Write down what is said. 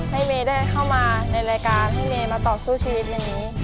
เมย์ได้เข้ามาในรายการให้เมย์มาต่อสู้ชีวิตในนี้